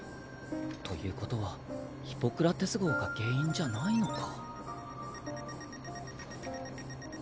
ということはヒポクラテス号が原因じゃないのか。